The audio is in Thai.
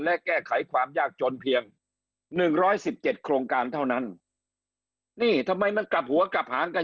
และแก้ไขความยากจนเพียงหนึ่งร้อยสิบเจ็ดโครงการเท่านั้นนี่ทำไมมันกลับหัวกลับหางกัน